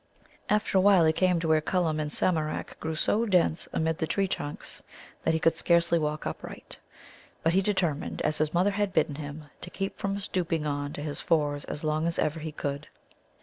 After a while he came to where Cullum and Samarak grew so dense amid the tree trunks that he could scarcely walk upright. But he determined, as his mother had bidden him, to keep from stooping on to his fours as long as ever he could.